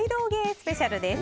スペシャルです。